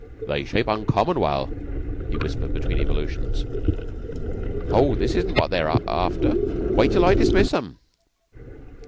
They shape uncommon well," he whispered between evolutions. "Oh, this isn't what they're after. Wait till I dismiss 'em."